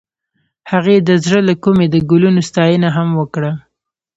هغې د زړه له کومې د ګلونه ستاینه هم وکړه.